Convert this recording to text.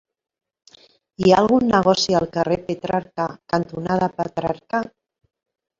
Hi ha algun negoci al carrer Petrarca cantonada Petrarca?